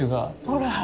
ほら！